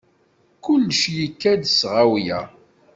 Kullec yekka s tɣawla.